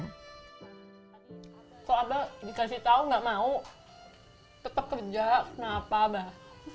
kalau abah dikasih tahu nggak mau tetap kerja kenapa abah